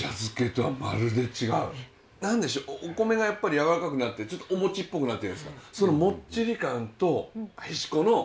何でしょうお米がやっぱりやわらかくなってちょっとお餅っぽくなってるじゃないですか。